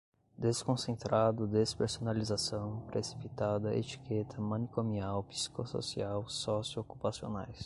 desconcentrado, despersonalização, precipitada, etiqueta, manicomial, psicossocial, sócio-ocupacionais